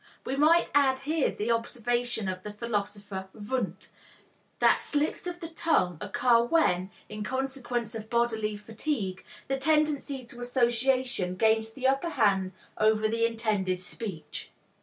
We might add here the observation of the philosopher Wundt, that slips of the tongue occur when, in consequence of bodily fatigue, the tendency to association gains the upper hand over the intended speech.